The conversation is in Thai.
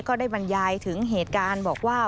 ก็ได้บรรยายถึงเหตุการณ์บอกว่า